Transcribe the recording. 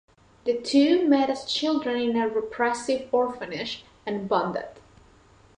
The two met as children in a repressive orphanage and bonded.